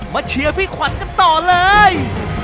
มาเชียวสาวพี่ขวัญกันต่อเลย